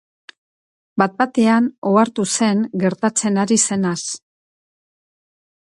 Bat-batean ohartu zen gertatzen ari zenaz.